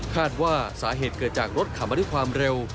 คาดว่าสาเหตุเกิดจากรถขับมาด้วยความเร็ว